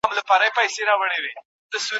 څېړنه د کومو سرچینو پر بنسټ ولاړه وي؟